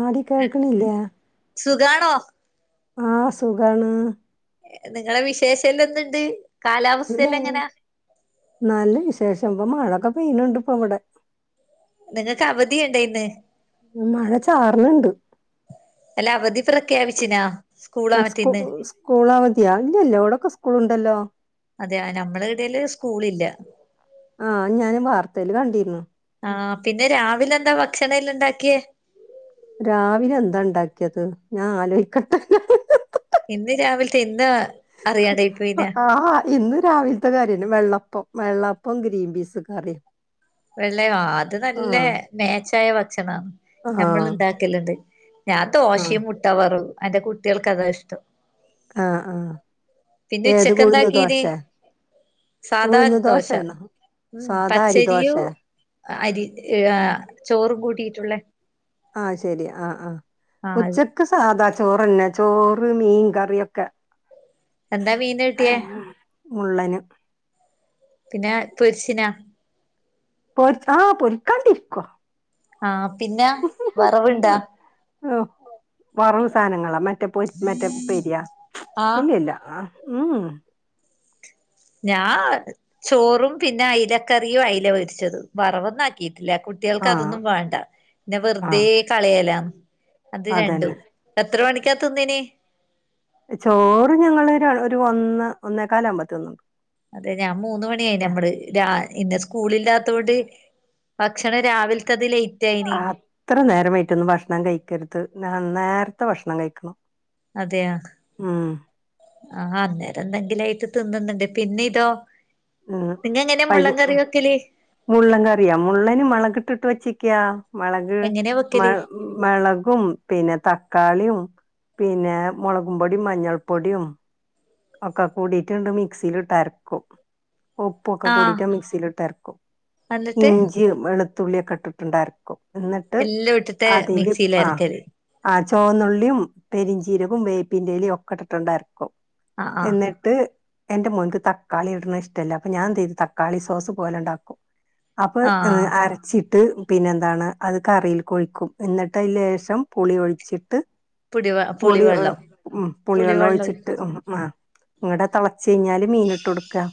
ആടി കേൾക്കണില്ലേ? സുഖാണോ? ആഹ് സുഖാണ് നിങ്ങളെ വിശേഷല്ല എന്തുണ്ട് എന്താ കാലാവസ്ഥയെല്ലാം എങ്ങനാ നല്ല വിശേഷം ഇപ്പൊ മഴൊക്കെ പെയ്യനുണ്ട് ഇപ്പ ഇവടെ നിങ്ങക്ക് അവധിയാ ഉണ്ടായിന്ന്. ഇമ് മഴ ചാറ്ണുണ്ട്. അല്ല അവധി പ്രഖ്യാപിച്ചിനാ സ്കൂളാ മറ്റേ സ്കൂ ഇന്ന് സ്കൂളവതിയോ ഇല്ലല്ലോ ഇവിടൊക്കെ സ്കൂള്ണ്ടല്ലോ. അതെയാ നമ്മടെ ഇടേൽ സ്കൂളില്ല. ആഹ് ഞാനും വാർത്തേല് കണ്ടിരുന്നു. ആ ഉം. പിന്നെ രാവിലെന്താ ഭക്ഷണെല്ലണ്ടാക്കിയേ രാവിലെ എന്താണ്ടാക്കിയത്. ഞാൻ ആലോയിക്കട്ടെ. ഹ് ഹ് ഹ് ഇന്ന് രാവിൽത്തെ എന്താ അറിയാണ്ടായി പോയിന്. ആ ഇന്ന് രാവിൽത്തെ കാര്യന്നെ വെള്ളപ്പം വെള്ളപ്പോം ഗ്രീൻ പീസ് കറിം. വെള്ളയോ അത് നല്ല മേച്ചായ ഭക്ഷണാണ് ആ ഞമ്മൾ ഇണ്ടാക്കലുണ്ട്. ഞാൻ ആ ദോശയും മുട്ട വറവും എന്റെ കുട്ടേൾക്ക് അതാ ഇഷ്ടം. ആഹ് ആഹ് പിന്നെ ഏത് ഉച്ചക്ക് ഉഴുന്ന് എന്താക്കീന് ദോഷേ സാധാ ഉഴുന്ന് ദോശ ദോശേണോ ഉം സാധാ പച്ചരിയും അരിദോശേ. അരി ഏഹ് ആഹ് ചോറും കൂട്ടീയിട്ടുള്ളേ. ആഹ് ശരി ആഹ് ആഹ് ആഹ് അത് ഉച്ചക്ക് സാധാ ചോറെന്നെ ചോറ് മീൻ കറിയൊക്കെ. എന്താ മീന് കിട്ടിയേ [inaudible] മുള്ളന് പിന്നെ പൊരിച്ചിനാ പൊരിച് ആ പൊരിക്കാണ്ടിരിക്കോ ആഹ് പിന്നെ വറവ്ണ്ടാ? ഉഹ് വറവ് സാനങ്ങളാ മറ്റേ പൊരി മറ്റേ പെരിയാ ആഹ് ഇല്ലല്ല. ആഹ് ഉംഉം ഞാ ചോറും പിന്നെ അയ്ലക്കറിയു അയ്ല പൊരിച്ചതും വറവൊന്നാക്കിട്ടില്ല കുട്ട് ട്ടേൾക്ക് ആ അതൊന്നും വാണ്ട ന്നെ ആ വെറുതേ കളയല്ലാന്ന് അത് രണ്ടും അതന്നെ എത്ര വണിക്കാ തിന്നിന് ചോറ് ഞങ്ങളൊരു ഒരു ഒന്ന് ഒന്നേ കാലാവുമ്പോ തിന്നും. അതെ ഞാ മൂന്ന് മണിയായി നമ്മള് രാ ഇന്ന് സ്കൂളില്ലാത്തോണ്ട്. ഭക്ഷണം രാവിൽത്തത് ലൈ റ്റായിന്. ഇത്ര നേരം വൈയിട്ടൊന്നും ഭക്ഷണം കഴിക്കരുത് ഞാൻ നേരത്തെ ഭക്ഷണം കഴിക്കണം. അതേയാ ഉം ആഹ് അന്നേരം എന്തെങ്കിലായിട്ട് തിന്ന്ന്ന്ണ്ട് പിന്നെ ഇതോ പിന്നെ എങ്ങനെ മുള്ളൻ കറിവെക്കല്? മുള്ളൻകറിയ മുള്ളനു മുളകിട്ടിട്ടു വച്ചിക്കാ മുളക് എങ്ങനെയാ മ വെക്കല് മളകും, പിന്നെ തക്കാളീം പിന്നെ മോളകും പൊടിം, മഞ്ഞൾപ്പൊടിം ഒക്കെ കൂടിട്ട്ങ്ങട്ട് മിക്സീല് ഇട്ട് അരക്കും ഉപ്പുക്കെ ആഹ് കൂടീട്ട് മിക്സിലിട്ട് അരക്കും എന്നിട്ട് ഇഞ്ചിമ്, വെളുത്തുള്ളിയൊക്കെ ഇട്ടിട്ട്ങ്ങട്ടരക്കും ഇന്നട്ട് എല്ലാം ഇട്ടിട്ട് അതിലും മിക്സിൽ ആഹ് അരക്കല് ആഹ് ചോന്നുള്ളീം, പെരുംഞ്ചീരകും, വേപ്പിന്റെലിം, ഒക്കെ ഇട്ടിട്ടങ്ങട്ട് അരക്കും ആഹ് ആഹ് എന്നി ട്ട് എന്റെ മോൻക്ക് തക്കാളിയിട്ന്നത് ഇഷ്ടല്ല അപ്പ ഞാൻ എന്തെയ്തു തക്കാളി സോസു പോലെണ്ടാക്കും അപ്പൊ ഹ് ആഹ് അരച്ചിട്ട് പിന്നെന്താണ് അത് കറിക്കൊഴിക്കും ഇന്നട്ട് ലേശം പുളി ഒഴിച്ചിട്ട് പുടിവ പുളി ഒ പുളിവെള്ളം പുളി വെള്ളം പുളിവെള്ളം ഒഴിച്ചിട്ട് ഒഴിക്കും ഉം ആഹ് ഇങ്ങട്ടത്താ ഒച്ചയ്ഞാല് മീന്ട്ടൊട്ക്കാ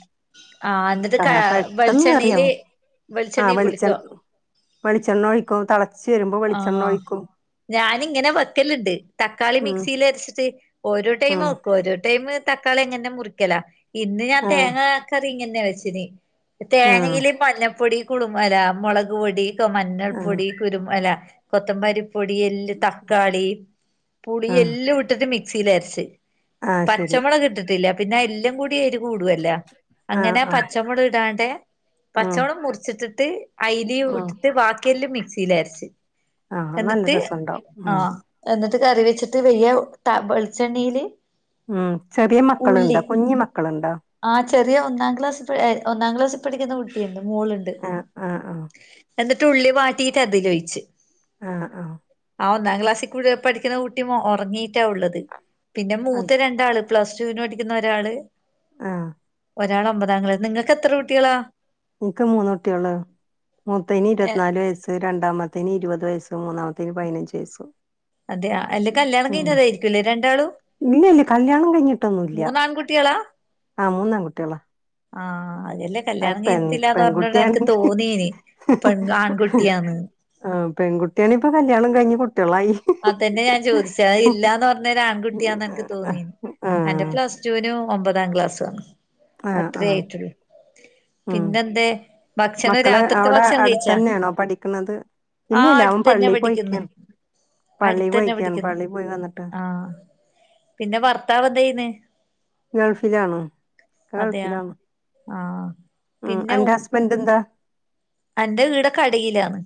ആഹ് എന്നിട്ട് ക ആഹ് പെട്ടെന്ന് വെളിച്ചെണ്ണയില് കറിയാകും ആഹ് വെളിച്ചെണ്ണയിൽ വെളിച്ചെ പൊളിക്കോ വെളിച്ചെണ്ണ ഒഴിക്കും താള് ആഹ് ഞാനിങ്ങനെ വെക്കല്ണ്ട് തക്കാളി ഉം മിക്സീല് അര്ച്ചിട്ട് ഓരോ ടൈമ് ഉം വെക്കും ഓരോ ടൈമ് തക്കാളി എങ്ങനെ മുറിക്കല ഇന്ന് ഞാൻ ആ തേങ്ങ കറിയിങ്ങനെയാ വെച്ചനി ആ തേങ്ങയില് മഞ്ഞപ്പൊടി കുളു അല്ലാ മുളകുപൊടി. ക്കൊ ആ മഞ്ഞൾപൊടി, കുരുമു അല്ല കൊത്തബാലിപ്പൊടി, എല്ല് തക്കാളി, ആ പുളിയെല്ലം ഇട്ടിട്ട് മിക്സീല് എര്ച്ച് ആ ശരി പച്ചമുളകിട്ടിട്ടില്ല പിന്നെയെല്ലാം കൂടിയെരിവു കൂടുവല്ല ആ അങ്ങനെ ആ പച്ചമോടട് ഇടാതെ ഉം പച്ചമോളക് മുർച്ചിട്ടിട്ട് അയലയും ഉം ഇട്ടിട്ട് വാ കല് മിക്സീലരച്ച് ആ നല്ല എന്നിട്ട് രസണ്ടാവും ഉം ആഹ് എന്നിട്ട് കറി വെച്ചിട്ട് വെല്ല്യ വെളിച്ചെണ്ണീല് ഉം ചെറിയ മക്കള്ണ്ടോ? കുഞ് മക്കള്ണ്ടോ? ആഹ് ചെറിയയൊന്നാം ക്ലാസ്സിൽപ ഏഹ് ഒന്നാം ക്ലാസ്സിൽ പഠിക്കുന്ന കുട്ടിയുണ്ട് മോളുണ്ട് ആ ആ ആ എന്നിട്ട് ഉള്ളി വാട്ടീട്ട് അതിലൊഴിച്ച് ആഹ് ആഹ് ആഹ് ഒന്നാംക്ലാസ്സിൽ കൂടി പഠിക്കുന്ന കുട്ടി ഒർങ്ങീട്ടാ ഉള്ളത് പിന്നെ ആ മൂത്ത രണ്ടാള് പ്ലസ്ടുന് പഠിക്കുന്ന ഒരാള് ആഹ് ഒരാള് ഒമ്പതാം ക്ലാ നിങ്ങക്കെത്ര കുട്ടികളാ? ഇൻക്ക് മൂന്ന് കുട്ട്യാള് മൂത്തയ്ന് ഇരന്നാല് വയസ്സ് രണ്ടാമത്തേതിന് ഇരുപത് വയസ്സും മൂന്നാമത്തേതിന് പതിനഞ്ചുവയസ്സും അതെയാ അല്ല കല്യാണം കഴിഞ്ഞതായിരിക്കുല്ലേ രണ്ടാളും ഇല്ലല്ല കല്യാണം കഴിഞ്ഞിട്ടൊന്നുല്ല മൂന്നാൺകുട്ടികളാ ആഹ് മൂന്നാ കുട്ട്യാളാ ആഹ് [unintelligible] കല്യാണം കഴിഞ്ഞിട്ടില്ലാന്ന് പർഞ്ഞോണ്ട് അൻക്ക് പെൺകുട്ടിയാണെങ്കി തോന്നെനി പെൺആൺകുട്ടിയാന്ന് ആഹ് പെൺകുട്ടിയാണേപ്പൊ കല്യാണം കഴിഞ്ഞുകുട്ടികളായി അതന്നെ ഞാൻ ചോദിച്ച് അഹ് ല്ലാന്നുപർഞ്ഞേന് ആൺകുട്ടിയാന്നെ എനിക്കുതോന്നി ആ അന്റെ പ്ല ജൂനു ഒമ്പതാംക്ലാസ്സാണ് ആ ആ അത്രേ ആയിട്ടുള്ളൂ. ഉം പിന്നെന്തെ ഭക്ഷണം മക്കള് രാത്രീകത്തെ അവിടെ ഭക്ഷണം കഴിച്ചാ? അടുത്തന്നെയാണോ പഠിക്കണത് ഇല്ല ആഹ് ഇല്ല അവൻ അടുത്തന്നെ പള്ളി പഠിക്കുന്ന് പോയിക്കാണ് പള്ളി പോയിക്കാണ് അടുത്തന്നെപഠിക്കുന്ന് പള്ളി പോയി വന്നിട്ട് ആഹ് പിന്നെ ഭർത്താവ് എന്താ ചെയ്യുന്നേ? ഗൾഫിലാണ് ഇക്ക ഗൾഫിലാന്ന് ആഹ് ഉം അന്റെ ഹസ്ബന്റെന്താ? അന്റെ വീടോക്കെ അടിലാന്ന്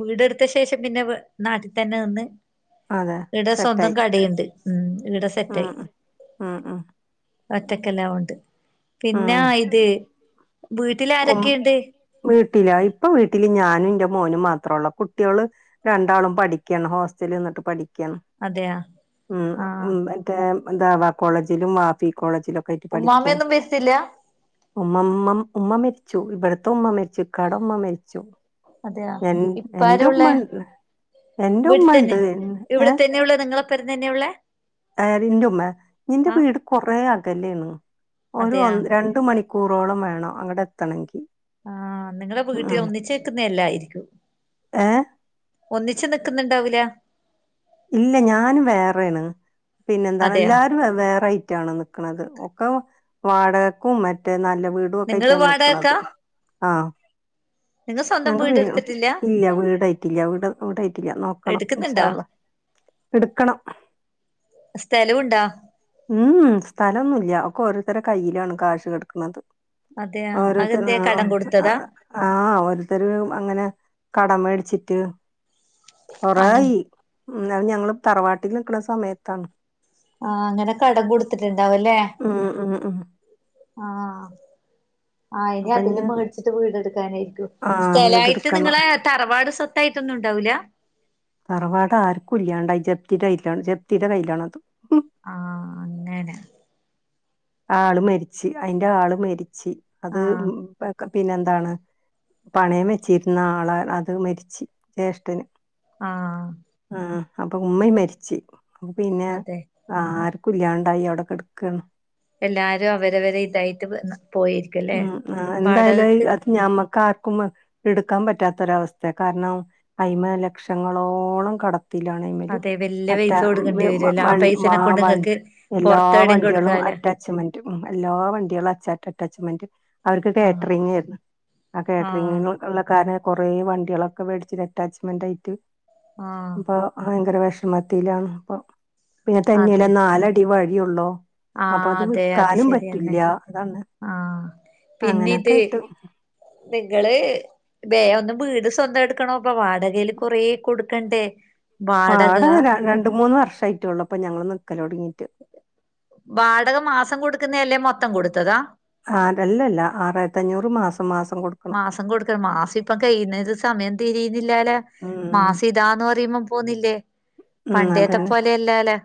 വീടെട്ത്തശേഷം പിന്നെ നാട്ടിൽ തന്നെ നിന്ന് അതെ ഇവിടെ സ്വന്തം സെറ്റായി കടെണ്ട് ഉം ഇവിടെ ഉം സെറ്റായി ഉം ഉം ഒറ്റക്കെല്ലാമുണ്ട് ഉം പിന്നാ ഇത് വീട്ടില് ആരൊക്കെണ്ട്? വീട്ടിലോ ഇപ്പൊ വീട്ടില് ഞാന് ഇന്റെ മോനും മാത്രോള്ളു കുട്ട്യേള് രണ്ടാളും പഠിക്ക്യാണ് ഹോസ്റ്റല് നിന്നിട്ട് പഠിക്ക്യാണ് അതെയാ ഉം ആഹ് മ്മ് മറ്റേ ദഅവ കോളേജിലും വാഫി കോളേജിലൊക് ഉമ്മാമയൊന്നും വര്ത്തില്ല ഉമ്മമ്മം ഉമ്മ മരിച്ചു ഇബ്ട്ത്ത ഉമ്മ മരിച്ചു ഇക്കാടെ ഉമ്മ മരിച്ചു അതെയാ എൻ ഇപ്പാരാ എന്റുമ്മ ഉള്ളേ ഇണ്ട് എന്റെ വീട്ടിൽ തന്നെ ഉമ്മണ്ട് എൻ ഇവിടെ ഏഹ് തന്നെ ഉള്ള നിങ്ങളെപ്പരം തന്നെ ഉള്ളേ അയറിന്റുമ്മ നിന്റെ ആഹ് വീട് കൊറെ അകലാണ് ഒര് അതെയാ ഒന്ന് ര രണ്ട് മണിക്കൂറോളം വേണം അങ്ങട്ട് എത്തണെങ്കി ആഹ് നിങ്ങളെ വീട്ടില ഉം ഒന്നിച്ചേക്കുന്ന എല്ലായിരിക്കും ഏ ഒന്നിച്ച് നിക്ക്ന്ന്ണ്ടാവൂല ഇല്ല ഞാൻ വേറെയാണ് പിന്നെന്താണ് അതെയാ എല്ലാരും വെവ്വേറേ ആയിറ്റാണ് ക്ക്ണത് ഒക്കെ വാടകക്കും മറ്റേ നല്ല വീട് [unintelligible] നിങ്ങള് ഒക്കായിറ്റാ വാടകക്കാ നിക്ക്ണത് ആഹ് നിങ്ങൾ സ്വന്തം ഞങ്ങക്ക് വീ വീട് എടുത്തിട്ടില്ല ഇല്ല വീടായിട്ടില്ല വീട് വീടായിട്ടില്ല നോക്കണം ഇന്ഷാ എടുക്കുന്നുണ്ടാ അല്ലാഹ് ഇട്ക്കണം സ്ഥലവുണ്ടാ മ്മ് ഉം സ്ഥലൊന്നുല്ല്യ ഒക്കെ ഓരോര്ത്തരെ കയ്യിലാണ് കാശ് കേടക്ക്ണത് അതെയാ ഓരോര്ത്തര് അതെന്തേ കടം ആഹ് കൊടുത്തതാ ആഹ് അ ആഹ് ഒരോര്ത്തര് അങ്ങനെ കടം മേടിച്ചിട്ട് കൊറേ അങ്ങനെ ആയി ഉം അത് ഞങ്ങള് തറവാട്ടിൽ നിക്ക്ണ സമയത്താണ് ആഹ് അങ്ങനെ കടം കൊടുത്തിട്ട്ണ്ടാവുല്ലേ ഉം ഉം ഉം ആഹ് ആഹ് ഇനി അപ്പൊ അതില് ഇഞ്ഞ് മേട്ച്ചിട്ട് വീടെട്ക്കാനായിരിക്കും ആഹ് സ്ഥലായിട്ട് വീടെടുക്കണം നിങ്ങളെ തറവാട് സ്വത്തായിട്ടൊന്നുണ്ടാവൂല? തറവാടാര്ക്കും ഇല്ലാണ്ടായി ജപ്തിടെ കയ്യിലാണ് ജപ്തിടെ കയ്യിലാണത് ആഹ് അങ്ങനെ ആള് മരിച്ച് അയിന്റെ ആള് മരിച്ച് അത് ആഹ് പെ ഒക്കെ പിന്നെന്താണ് പണയം വെച്ചിര്ന്നാളെ അത് മരിച്ച് ജ്യേഷ്ഠന് ആഹ് ആഹ് അപ്പൊ ഉമ്മീം മരിച്ച് പിന്നെ അതെ ആർക്കും ഇല്ലാണ്ടായി അവടെ കേടക്കാണ് എല്ലാരും അവരെവരെ ഇതായിട്ട് ന്ന് പോയി ഉം മ് എന്തായാലും അത് ഞമ്മക്കാർക്കും ഇട്ക്കാൻ പറ്റാത്തൊരവസ്ഥേ കാരണം അയിമ്മെ ലക്ഷങ്ങളോളം കട ത്തിലാണ് അയിമ്മല് അതെ വല്യ മറ്റ പൈസ കൊടുക്കേണ്ടി മ് വരുവല്ലോ ആ മ മാ പൈസനെ കൊണ്ട് മൺ നിങ്ങക്ക് എല്ലാ പൊറത്തെവിടെയും വണ്ട്യയേളും അ കൊടുക്കാലോ അറ്റാച്ച്മെന്റ് ഉം എല്ലാ വണ്ട്യേളും അച്ചാറ്റ്‌ അറ്റാച്ച്മെന്റ് അവര്ക്ക് ആഹ് കേറ്ററിംങേര്ന്ന് ആ ആഹ് കേറ്ററിങ്ങിന് ഉള്ള കാരണം കൊറെ വണ്ട്യളൊക്കെ വേടിച്ചില്ലേ അറ്റാച്ച്മെന്റായിറ്റ് ആഹ് ഇപ്പൊ ഭയങ്കര വിഷമത്തിലാണ് അപ്പൊ പിന്നെ തെന്നെയല്ല അതെ നാലടി വഴിയൊള്ളു അപ്പൊ ആഹ് അത് അതെ അത് വിക്കാനും ശരിയന്നെ പറ്റില്ല അതാണ് ആഹ് പിന്നേ അങ്ങനൊക്കെ ഇതേ ആയിട്ട് നിങ്ങള് ബേം ഒന്ന് വീട് സ്വന്തം എടുക്കണം ഇപ്പ വാടകേല് കൊറെ കൊടുക്കണ്ടേ വാടക ര രണ്ട് മൂന്ന് വർഷായിട്ടൊള്ളൂ ഇപ്പൊ ഞങ്ങള് നിക്കലൊട്ങ്ങീട്ട് വാടക മാസം കൊടുക്കുന്നല്ലേ മൊത്തം കൊട്ത്തതാ ആഹ് അതല്ലല്ല ആറായിരത്തഞ്ഞൂറ് മാസം മാസം കൊട് മാസം കൊടുക്ക മാസ ഇപ്പം കഴിയുന്നത് സമയം തിരിയ്ന്നില്ലാലൊ ഉം മാസം ഇതാന്ന് പറയുമ്പം പോന്നില്ലേ ഉം പണ്ടേത്തെ അതന്നെ പോലെയല്ലാലെ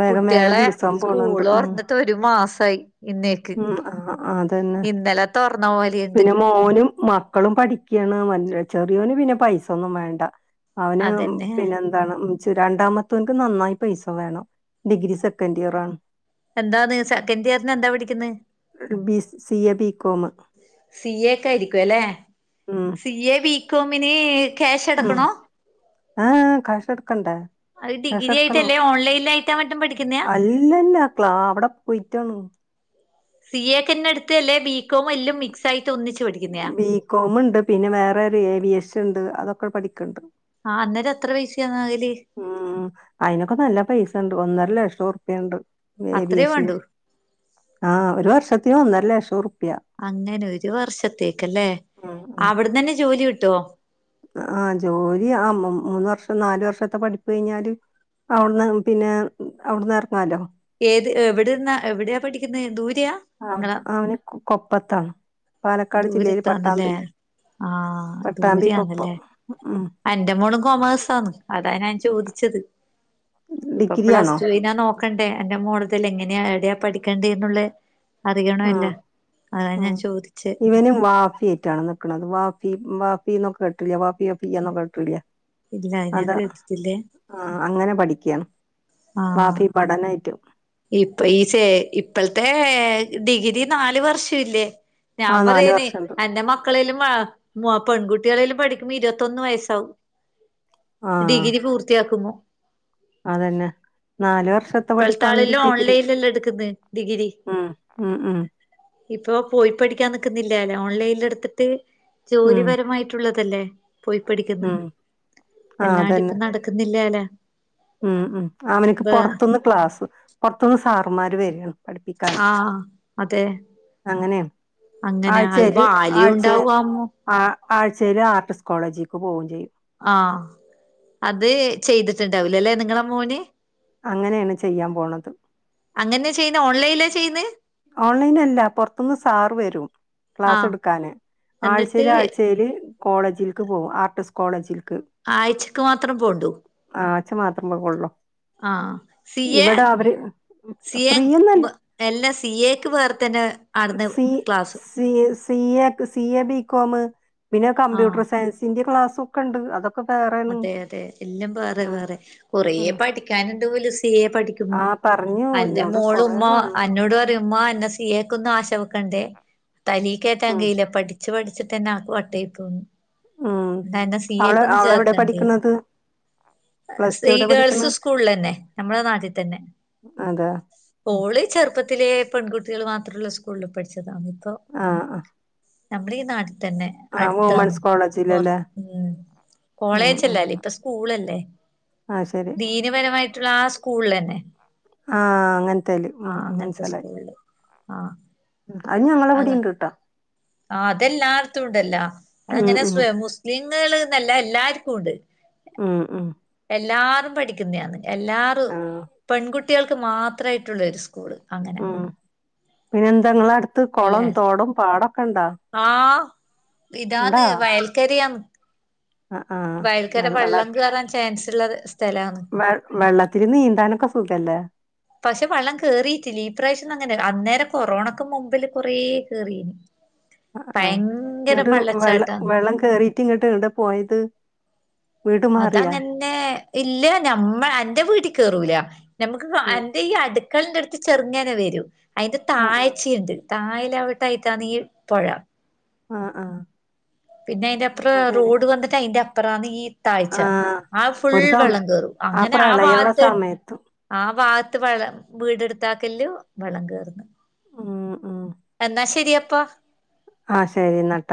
വേഗം വേഗം കുട്ട്യേളെ ദിവസം പോണണ്ട് സ്കൂള് ഉം തൊറന്ന്ട്ട് ഒരു മാസായി ഇന്നേക്ക് ആഹ് അതന്നെ ഇന്നലെ തുറന്ന പോലെയുണ്ട് പിന്നെ മോനും മ ക്കളും പഠിക്ക്യണ് വല് ചെറിയോന് പിന്നെ പൈസൊന്നും വേണ്ട അവന് അതന്നെ പിന്നെ വേണം മ്മ് രണ്ടാമത്തോന്ക്ക് നന്നായി പൈസ വേണം ഡിഗ്രി സെക്കൻഡ് ഇയറാണ് എന്താന്ന് സെക്കൻഡ് ഇയറിന് എന്താ പഠിക്കുന്നേ ബീസ് C A B com C A ഒക്കെ ആയിരിക്കുവല്ലെ ഉം സി എ ബികോമിന് ക്യാഷ് ഉം എടക്കണോ ആഹ് കാഷൊടുക്കണ്ട അത് ഡിഗ്രി ആയിട്ടല്ലേ [unintelligible] ഓൺലൈനിലായിട്ടാ മറ്റും പഠിക്കുന്നയാ അല്ലല്ല ക്ലാ അവിടെ പോയിട്ടാണ് സി എ ക്കെന്നെ അടുത്ത് അല്ലേ ബീ കോം എല്ലാം മിക്സ് ആയിട്ട് ഒന്നിച്ച് പഠിക്കുന്നയാ ബികോം ഇണ്ട് പിന്നെ വേറെ ഒരു ഏവിയേഷൻ ഇണ്ട് അതൊക്കെ പഠിക്കണ്ട് ആ അന്നേരം എത്ര പൈസാന്ന് അതില് ഉം ഉം അയിനൊക്ക നല്ല പൈസ ഒണ്ട് ഒന്നര ലക്ഷം ഉറുപ്പ്യണ്ട് അത്രേ ഏവിയേഷന് വേണ്ടു ആഹ് ഒരു വർഷത്തിന് ഒന്നര ലഷം റുപ്പിയ അങ്ങനെ ഒരു വർഷത്തേക്കല്ലേ ഉം ഉം അവിടന്ന് തന്നെ ജോലി കിട്ടുവോ ആഹ് ജോലി ആഹ് മൂന്ന് വർഷം നാലു വർഷത്തെ പഠിപ്പു കഴിഞ്ഞാല് അവിടുന്ന് പിന്നെ അവിടുന്ന് ഇറങ്ങല്ലോ ഏത് എവിടെന്നാ എവിടെയാ പഠിക്കുന്നത് ദൂരയാ ആ അവന് കൊപ്പത്താണ് പാലക്കാട് ജില്ലേൽ ദൂരത്താന്നല്ലേ പട്ടാമ്പി ആഹ് പട്ടാമ്പി കൊപ്പം ദൂരെയാന്നല്ലേ ഉം എന്റെ മോളും കൊമേഴ്സാന്ന് അതാണ് ഞാൻ ചോദിച്ചത് ഇപ്പൊ ഡിഗ്രി ആണോ പ്ലസ്ടുനാ നോ ക്കണ്ടേ. എന്റെ മോള തിൽ എങ്ങനെയ എവിടെയാ പഠിക്കേണ്ടേ എന്നുള്ള, അറിയണമല്ല ആഹ് അതാ ഉം ഞാൻ ചോദിച്ചേ ഇവനും വാഫിയെറ്റാണ് ക്കണത് വാപ്പി വാപ്പിന്നോക്ക കേട്ട്ട്ടില്ലേ [unintelligible] ഇല്ല ഞാൻ കേട്ടിട്ടില്ലേ ആഹ് അങ്ങനെ പഠിക്കയാണ് ആഹ് വാപ്പി പഠനായിറ്റും ഇപ്പ ഈസേ ഇപ്പൾത്തെ ഡിഗ്രി നാല് വർഷം ഇല്ലേ ഞാൻ ആ നാല് പറയന, വർഷണ്ട് എൻറെ മക്കളേലും ആ പെൺകുട്ടികളലും പഠിക്കുമ്പോ ഇരുപത്തൊന്നയസ്സാവും. ആ ഡിഗ്രി പൂർത്തിയാക്കുമോ അതന്നെ നാല് വർഷത്തെ പഠി ത്താളിലും ഓൺലൈനിലെല്ലാം എടുക്കുന്നെ ഡിഗ്രി ഉം ഉം ഉം ഇപ്പൊ പോയി പഠിക്കാൻ നിക്കുന്നിലാലൊ ഓൺലൈനിൽ എടുത്തിട്ട് ഉം ജോലിപരമായിട്ടുള്ളതല്ലേ പോയി പഠിക്കുന്ന് ഉം ആ അതന്നെ അല്ലാണ്ട്പ്പ നട ക്കുന്നില്ലാലെ ഉം ഉം അവന്ക്ക് പുറത്തുന്ന് ക്ലാസ് പുറത്തുന്ന് സാറുമാര് വരും പഠിപ്പിക്കാൻ ആഹ് അതെ അങ്ങനെയാണ് അങ്ങനെ അത് ആഴ്ചേല് വാല്യൂ ആഴ്ച ഉണ്ടാവാമോ ആ ആഴ്ചേല് ആർട്ടിസ് കോളേജിക്ക് പോവേം ചെയ്യും ആ അത് ചെയ്തിട്ടുണ്ടാവൂലല്ലെ നിങ്ങള മോന് അങ്ങനെയാണ് ചെയ്യാൻ പോണത് അങ്ങനെ ചെയ്യുന്ന ഓൺലൈനില ചെയ്യുന്നേ ഓൺലൈനല്ല പുറത്തുന്ന് സാറ് വരും ക്ലാസ്സ് ആഹ് എടുക്കാന് എന്നിട്ട് ആഴ്ചേല് ആഴ്ചേല് കോളേജിലേക്ക് പോവും ആർട്ടിസ് കോളേജി ആഴ്ച്ചക്ക് മാത്രം പോണ്ടു ആച്ച മാത്രം പോ കൊള്ളാം ആഹ് സി എ സി എ ഫ്രീയൊന്നല്ല എല്ലാ സി എക്ക് വേറെ തന്നെ ആട്ന്ന് C class C A C എക്ക് സി എ ബികോം പിന്നെ ആഹ് കമ്പ്യൂട്ടർ സയൻസ് ഇതിന്റെ ക്ലാസ്സ ഒക്കെണ്ട്. അത അതെ അതെ എല്ലാം വേറെ വേറെ കൊറേ ഉം പഠിക്കാനുണ്ട് പോലും സി എ പഠിക്ക ആ പറഞ്ഞു അന്റെ എന്നോട് മോള് കൊറേ ഉമ്മ നന്നായി അന്നോട് പറയും ഉമ്മ എന്നെ സിഎ ക്കൊന്ന ആശ വെക്കണ്ടേ. തലീ കേറ്റാ ഉം ങ്കയ്ല പഠിച്ച വച്ച് പഠിച്ചിട്ട്ന്നെ ആക്ക് വട്ടായി പോന്നു ഉം എന്താ എന്താ സി അവള് എക് ഒന്ന് അവളെവിടെ ചേർത്ത ണ്ട് പഠിക്കണത് പ്ലസ് ടു സീ എവിടെ പഠിക്കണ് ഗേൾസ് സ്കൂളില് തന്നെ നമ്മളെ നാട്ടിൽ തന്നെ അതാ ഓള് ചെറുപ്പത്തിലെ പെൺകുട്ടികൾ മാത്രമുള്ള സ്കൂളിൽ പഠിച്ചതാണ് ഇപ്പൊ ആഹ് ആ നമ്മളീ ഈ നാട്ടിൽ തന്നെ ആഹ് വുമൻസ് കോളേജിൽ പൊർഉ കോളേജ് ഇല്ലഅല്ലേ ഇപ്പൊ സ്കൂൾ അല്ലേ ആഹ് ശരി വിപരമായിട്ടുള്ള ആഹ് സ്കൂളിൽ തന്നെ ആ അങ്ങനത്തേല് ഉ ആഹ് അങ്ങനത്തെ മനസ്സിലായി സ്കൂളില് ആഹ് ഉം അത് ഞങ്ങളെ വിടീം ഉണ്ടട്ടാ ആ അതെല്ലാർത്തും ഉണ്ടല്ല അത ഉം അങ്ങനെ ഉം. മുസ്ലിങ്ങകൾന്നല്ല എല്ലാർക്കും ഉണ്ട് ഉ ഉ എല്ലാരും പഠിക്കുന്നതാണ് എല്ലാ ആഹ് പെൺകുട്ടികൾക്ക് മാത്രമായിട്ടുള്ള ഒരു സ്കൂള് അങ്ങനെ പിന്നെ എന്തെങ്ങള അടുത്ത് കുളം എല്ലായിടത്തും തോടും പാടൊക്കെ ഉണ്ടാ ആഹ് ഇതാന്ന് വയൽക്കരയാന്ന് ആഹ് ആ വയൽക്കര വെള്ള വെള്ളം കേറാൻ ചാൻസ് ഉള്ള സ്ഥലാണ് വ വെള്ളത്തിൽ നീന്താനൊക്കെ ഇഖല്ലെ പക്ഷെ വെള്ളം കേയറിയിട്ടില്ല ഈ പ്രവശ്യം ഒന്ന അങ്ങനെ അന്നേരം കൊറോണക്ക് മുമ്പില് കൊറേ കേറിന് ആഹ് ഇങ്ങോട്ട് വെള്ളം വെള്ളച്ചാട്ടാണ് വെള്ളം കേറീട്ട് ഇങ്ങോട്ട് ഇടെ പോയത് വീട് മാറിയാ? അതങ്ങനെ ഇല്ല ഞമ്മ എന്റെ വീട്ടിൽ കേറൂല ആഹ് നമ്മുക്ക് ഈ അടുക്കളിന്റെ അടുത്ത് ചെറുങ്ങോനെ വരും അതിന്റെറെ ആഹ് ആഹ് ച്ചിണ്ട് തായൽ അവിട്ടായിത്താണി ഈ പുഴ ആഹ് ആഹ് പിന്നെ അയിന്റെ അപ്പറം അത് ശരി. റോഡ് വന്നിട്ട് അതിന്റെ അപ്പറന്ന് ഈ താഴ്ച്ച ആഹ് ആ ഫുൾ ഒരു സമ വെള്ളം കേറും അങ്ങനെ ആ പ്രളയള്ള ഭാഗത്ത് സമയത്ത്. ആഹ് ഭാഗത്ത് വളം വീടെടുത്താക്കലോ വെള്ളം കേറുന്ന് ഉം ഉം എന്നാ ശരിയപ്പൊ ആഹ് ശരി എന്നാട്ട